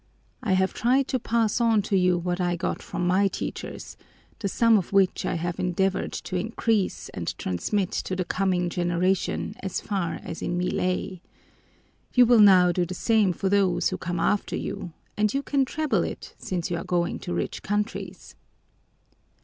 "I have tried to pass on to you what I got from my teachers, the sum of which I have endeavored to increase and transmit to the coming generation as far as in me lay. You will now do the same for those who come after you, and you can treble it, since you are going to rich countries."